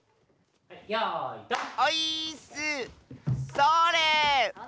それ！